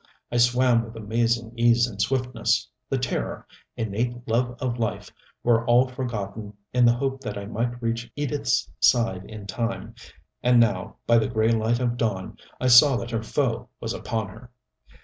I swam with amazing ease and swiftness. The terror, innate love of life, were all forgotten in the hope that I might reach Edith's side in time. And now, by the gray light of dawn, I saw that her foe was upon her.